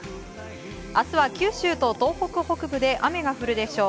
明日は九州と東北北部で雨が降るでしょう。